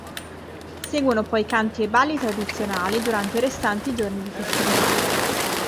Seguono poi canti e balli tradizionali durante i restanti giorni di festività.